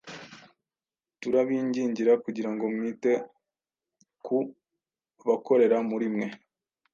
turabingingira kugira ngo mwite ku bakorera muri mwe,